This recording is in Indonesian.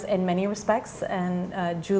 dalam banyak hal